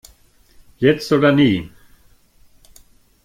Jetzt oder nie!